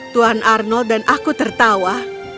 tuhan arnold dan aku tertawa